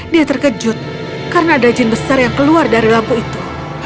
dia terkejut karena ada jin besar yang keluar dari lampu itu